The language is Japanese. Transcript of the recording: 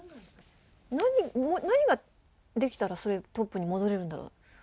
何ができたら、トップに戻れるんだろう？